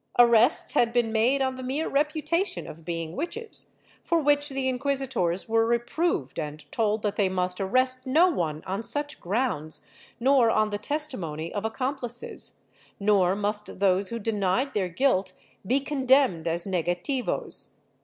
Arrests had been made on the mere reputation of being witches, for which the inquisitors were reproved and told that they must arrest no one on such grounds, nor on the testimony of accomplices, nor must those who denied their guilt be condemned as negativos.